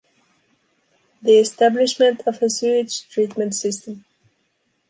The establishment of a sewage treatment system